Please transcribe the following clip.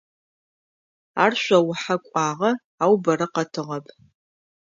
Ар шъоухьэ кӀуагъэ, ау бэрэ къэтыгъэп.